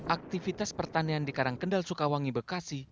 aktivitas pertanian di karangkendal sukawangi bekasi